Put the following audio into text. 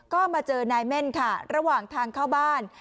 ก็มาเจอนายเม่นค่ะระหว่างทางเข้าบ้าน